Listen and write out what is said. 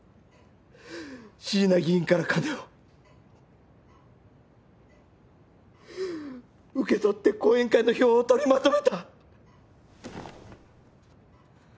椎名議員から金を受け取って後援会の票をとりまとめた！